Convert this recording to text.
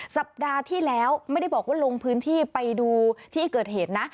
สัปดาห์ที่แล้วไม่ได้บอกว่าลงพื้นที่ไปดูที่เกิดเหตุนะ